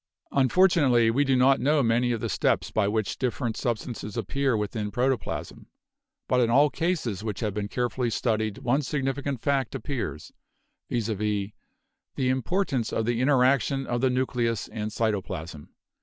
"Unfortunately, we do not know many of the steps by which different substances appear within protoplasm. But in all cases which have been carefully studied one significant fact appears, viz., the importance of the inter action of the nucleus and cytoplasm.